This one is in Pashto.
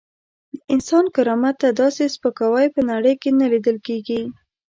د انسان کرامت ته داسې سپکاوی په نړۍ کې نه لیدل کېږي.